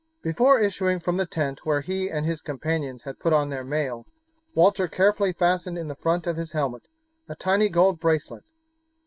Before issuing from the tent where he and his companions had put on their mail Walter carefully fastened in the front of his helmet a tiny gold bracelet.